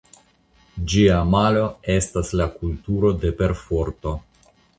Ĝia malo estas la "kulturo de perforto".